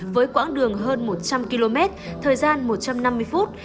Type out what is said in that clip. với quãng đường hơn một trăm linh km thời gian một trăm năm mươi phút